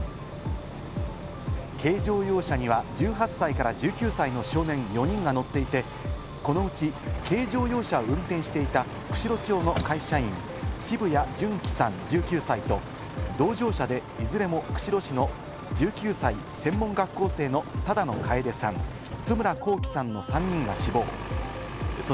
軽乗用車には１８歳から１９歳の少年４人が乗っていて、このうち軽乗用車を運転していた釧路町の会社員・澁谷純来さん、１９歳と同乗者で、いずれも釧路市の１９歳専門学校生の只野楓さん、津村幸希さんの３人が死亡。